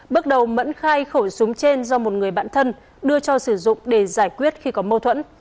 bước đầu mẫn khai khẩu súng trên do một người bạn thân đưa cho sử dụng để giải quyết khi có mâu thuẫn